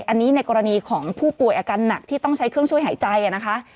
อันนี้ในกรณีของผู้ป่วยอาการหนักที่ต้องใช้เครื่องช่วยหายใจนะคะ